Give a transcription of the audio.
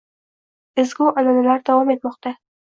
Ezgu an’analar davom etmoqdang